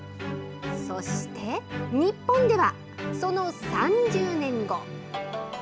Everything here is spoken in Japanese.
そして日本ではその３０年後。